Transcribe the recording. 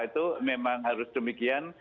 itu memang harus demikian